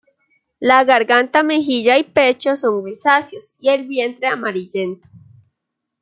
La garganta, mejilla y pecho son grisáceos y el vientre amarillento.